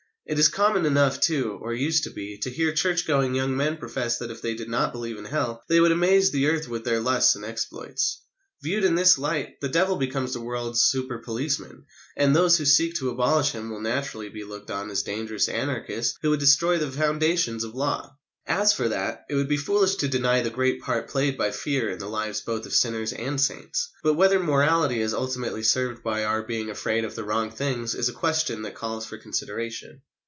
It is common enough, too or used to be to hear church going young men profess that if they did not believe in Hell, they would amaze the earth with their lusts and exploits. Viewed in this light, the Devil becomes the world's super policeman, and those who seek to abolish him will naturally be looked on as dangerous anarchists who would destroy the foundations of the law. As for that, it would be foolish to deny the great part played by fear in the lives both of sinners and saints, but whether morality is ultimately served by our being afraid of the wrong things is a question that calls for consideration.